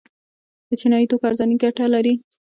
د چینایي توکو ارزاني ګټه لري؟